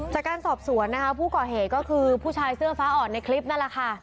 จากการสอบสวนนะคะผู้ก่อเหตุก็คือผู้ชายเสื้อฟ้าอ่อนในคลิปนั่นแหละค่ะ